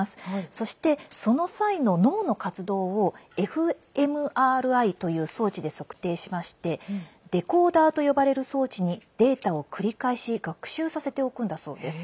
そして、その際の脳の活動をｆＭＲＩという装置で測定しましてデコーダーと呼ばれる装置にデータを繰り返し学習させておくんだそうです。